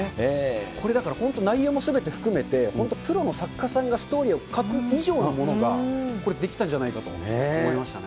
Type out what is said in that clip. これだから、本当に内容もすべて含めて、本当、プロの作家さんがストーリーを書く以上のものがこれ、できたんじゃないかなと思いましたね。